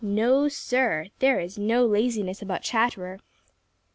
No, Sir, there is no laziness about Chatterer.